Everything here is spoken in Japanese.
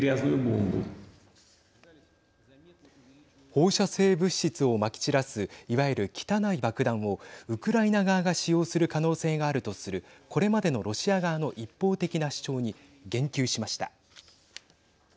放射性物質をまき散らすいわゆる汚い爆弾を、ウクライナ側が使用する可能性があるとするこれまでのロシア側の一方的な主張に言及しました。